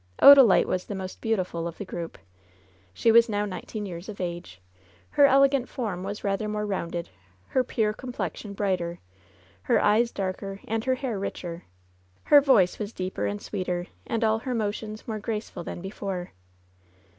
Odalite was the most beautiful of the group. She was now nineteen years of age ; her elegant form was rather more rounded, her pure complexion brighter, her eyes darker, and her hair richer ; her voice was deeper and sweeter, and all her motions more graceful than before.